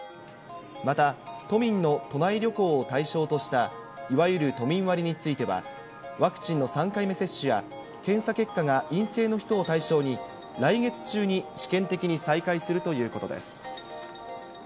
また、都民の都内旅行を対象としたいわゆる都民割については、ワクチンの３回目接種や、検査結果が陰性の人を対象に、来月中に試験的に再開するということです。